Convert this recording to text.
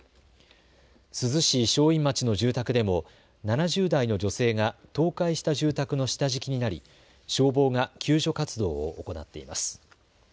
珠洲市正院町の住宅でも７０代の女性が倒壊した住宅の下敷きになり消防が救助活動を行っています。